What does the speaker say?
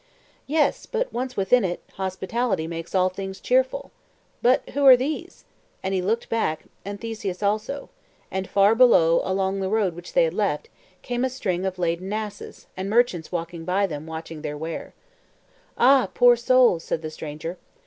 "Yes; but once within it, hospitality makes all things cheerful. But who are these?" and he looked back, and Theseus also; and far below, along the road which they had left, came a string of laden asses, and merchants walking by them, watching their ware. "Ah, poor souls!" said the stranger.